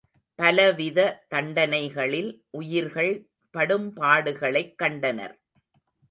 பலவித தண்டனைகளில் உயிர்கள் படும் பாடுகளைக் கண்டனர்.